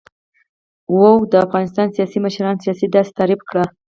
و : د افغانستان سیاسی مشران سیاست داسی تعریف کړی